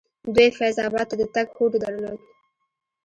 دوی فیض اباد ته د تګ هوډ درلودل.